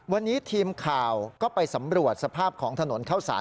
วันนี้ทีมข่าวก็ไปสำรวจสภาพของถนนเข้าสาร